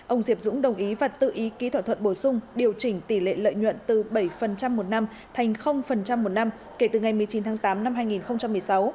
ông diệp dũng đồng ý và tự ý ký thỏa thuận bổ sung điều chỉnh tỷ lệ lợi nhuận từ bảy một năm thành một năm kể từ ngày một mươi chín tháng tám năm hai nghìn một mươi sáu